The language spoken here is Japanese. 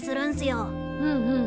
うんうん。